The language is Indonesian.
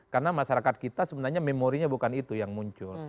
karena masyarakat kita sebenarnya memorinya bukan itu yang muncul